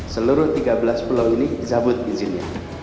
seluruh tiga belas pulau ini di cabut izinnya